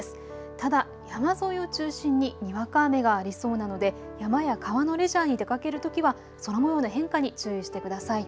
ただ山沿いを中心ににわか雨がありそうなので山や川のレジャーに出かけるときは空もようの変化に注意をしてください。